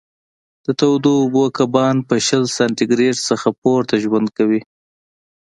د تودو اوبو کبان په شل سانتي ګرېد څخه پورته ژوند کوي.